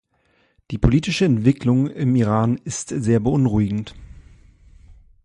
Die politische Entwicklung im Iran ist sehr beunruhigend.